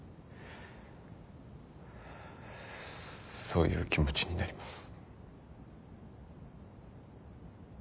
そういう気持ちになります。